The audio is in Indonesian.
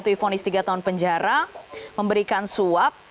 kemudian sudah dijatuhi vonis tiga tahun penjara memberikan suap